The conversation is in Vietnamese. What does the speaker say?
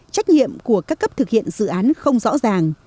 trách nhiệm của các cấp thực hiện dự án không rõ ràng